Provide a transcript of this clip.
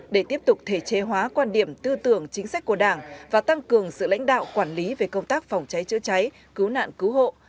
để tiếp tục thể chế hóa quan điểm tư tưởng chính sách của đảng và tăng cường sự lãnh đạo quản lý về công tác phòng cháy chữa cháy cứu nạn cứu hộ